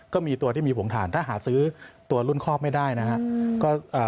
ก็มีตัวที่มีผงถ่านถ้าหาซื้อตัวรุ่นคอกไม่ได้นะครับ